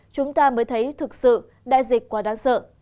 chúng ta mới thấy thực sự đại dịch quá đáng sợ